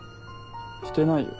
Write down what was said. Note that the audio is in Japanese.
してないよ。